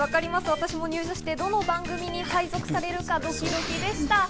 私も入社して、どの番組に配属されるかドキドキでした。